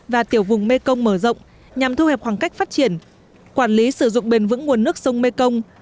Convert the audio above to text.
và tiểu vùng mekong mở rộng nhằm thu hẹp khoảng cách phát triển quản lý sử dụng bền vững nguồn nước sông mekong